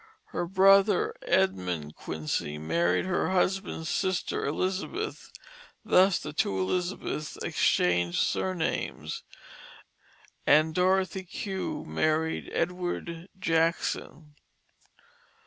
Her brother Edmund Quincy married her husband's sister Elizabeth (thus the two Elizabeths exchanged surnames), and Dorothy Q. married Edward Jackson.